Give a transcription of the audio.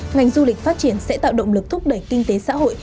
ngành du lịch phát triển sẽ tạo động lực thúc đẩy kinh tế xã hội